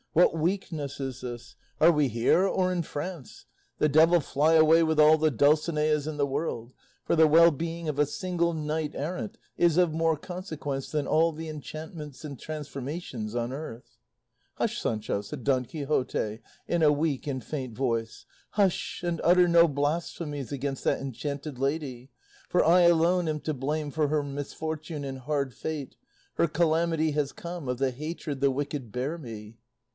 What weakness is this? Are we here or in France? The devil fly away with all the Dulcineas in the world; for the well being of a single knight errant is of more consequence than all the enchantments and transformations on earth." "Hush, Sancho," said Don Quixote in a weak and faint voice, "hush and utter no blasphemies against that enchanted lady; for I alone am to blame for her misfortune and hard fate; her calamity has come of the hatred the wicked bear me."